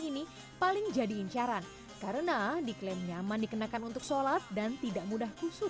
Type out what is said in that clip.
ini paling jadi incaran karena diklaim nyaman dikenakan untuk sholat dan tidak mudah kusut